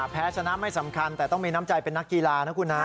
แพ้ชนะไม่สำคัญแต่ต้องมีน้ำใจเป็นนักกีฬานะคุณนะ